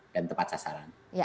dan tepat sasaran